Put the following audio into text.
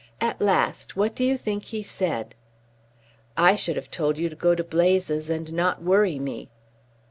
At last what do you think he said?" "I should have told you to go to blazes and not worry me."